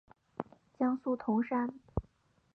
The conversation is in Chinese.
江苏铜山。